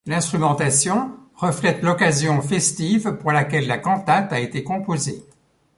L'instrumentation reflète l'occasion festive pour laquelle la cantate a été composée.